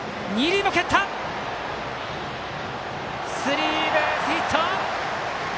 スリーベースヒット！